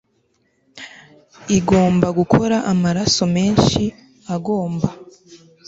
igomba gukora amaraso menshi agomba